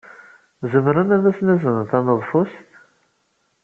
Zemren ad asen-aznen taneḍfust?